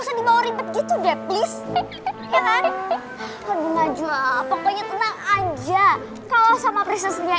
usah dibawa ribet gitu deh please pokoknya tenang aja kalau sama prinsipnya